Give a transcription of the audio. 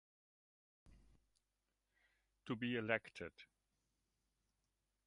To be elected.